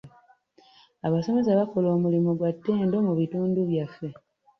Abasomesa bakola omulimu gwa ttendo mu bitundu byaffe.